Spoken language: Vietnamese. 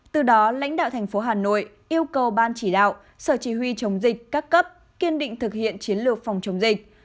từ đó lãnh đạo thành phố hà nội yêu cầu ban chỉ đạo sở chỉ huy chống dịch các cấp kiên định thực hiện chiến lược phòng chống dịch